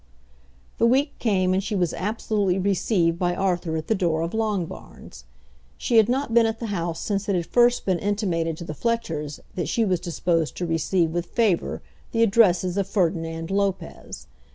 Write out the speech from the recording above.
The week came and she was absolutely received by Arthur at the door of Longbarns. She had not been at the house since it had first been intimated to the Fletchers that she was disposed to receive with favour the addresses of Ferdinand Lopez.